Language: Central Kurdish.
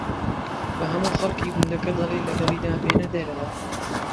بە ھەموو خەڵکی گوندەکە دەڵێ لەگەڵیدا بێنە دەرەوە